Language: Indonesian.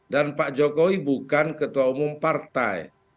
dan pak jokowi bukan ketua umum partai